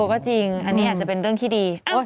ก็จริงอันนี้อาจจะเป็นเรื่องที่ดี